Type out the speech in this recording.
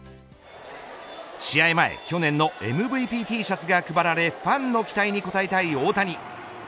試合前去年のＭＶＰＴシャツが配られファンの期待に応えたい大谷。